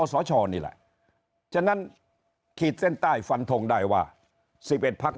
สชนี่แหละฉะนั้นขีดเส้นใต้ฟันทงได้ว่า๑๑พัก